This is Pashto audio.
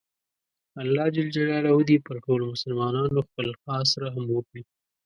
الله ﷻ دې پر ټولو مسلماناتو خپل خاص رحم وکړي